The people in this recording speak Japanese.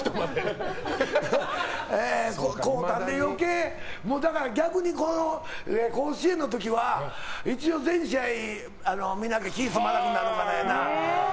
それを買ったんでだから逆に甲子園の時は一応全試合見なきゃ気済まなくなるからやな。